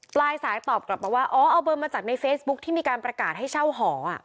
ปลายสายตอบกลับมาว่าอ๋อเอาเบอร์มาจากในเฟซบุ๊คที่มีการประกาศให้เช่าหอ